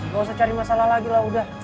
gak usah cari masalah lagi lah udah